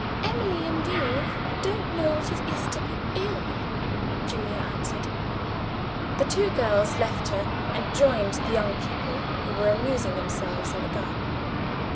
"Emily and you don't know what it is to be ill," Julia answered. The two girls left her, and joined the young people who were amusing themselves in the garden.